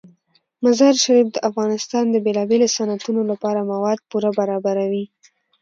مزارشریف د افغانستان د بیلابیلو صنعتونو لپاره مواد پوره برابروي.